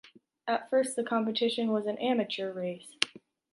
At first the competition was an amateur race.